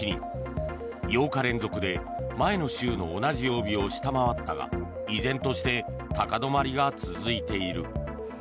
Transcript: ８日連続で前の週の同じ曜日を下回ったが依然として高止まりが続いている。